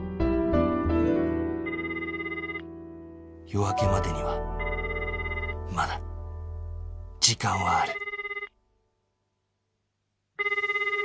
夜明けまでにはまだ時間はある